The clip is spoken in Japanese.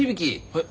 はい。